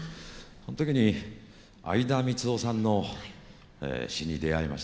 その時に相田みつをさんの詩に出会いましてね